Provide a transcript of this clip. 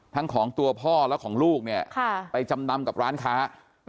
ทั้งของตัวพ่อและของลูกเนี่ยไปจำนำกับร้านค้า